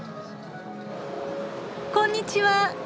こんにちは。